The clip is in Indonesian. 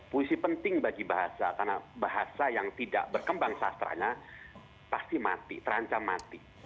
puisi penting bagi bahasa karena bahasa yang tidak berkembang sastranya pasti mati terancam mati